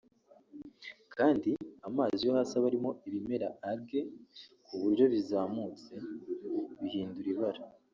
kandi amazi yo hasi aba arimo ibimera (algues) ku buryo bizamutse bihindura ibara